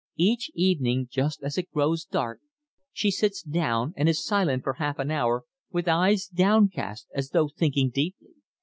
Each evening, just as it grows dark, she sits down and is silent for half an hour, with eyes downcast as though thinking deeply.